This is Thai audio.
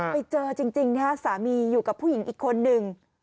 ไปเจอจริงนะฮะสามีอยู่กับผู้หญิงอีกคนนึง